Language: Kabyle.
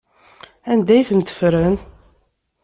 Anda ay tent-ffren?